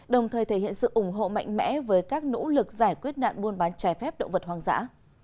đồng thời thể hiện sự ủng hộ mạnh mẽ với các nỗ lực giải quyết nạn buôn bán trái phép động vật hoang dã